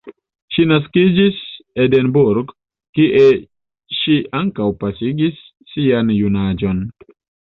Ŝi naskiĝis Edinburgh, kie ŝi ankaŭ pasigis sian junaĝon.